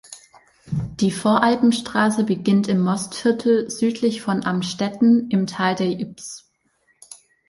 Die Voralpen Straße beginnt im Mostviertel südlich von Amstetten im Tal der Ybbs.